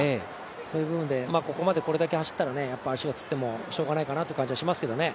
そういう部分でここまでこれだけ走ったら足がつってもしょうがないかなって感じはしますけどね。